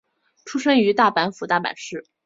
出身于大阪府大阪市。